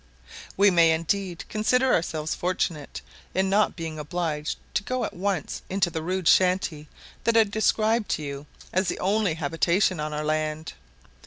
We may indeed consider ourselves fortunate in not being obliged to go at once into the rude shanty that I described to you as the only habitation on our land.